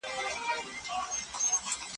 هغې تابلو کې چې «جنت» نومیږي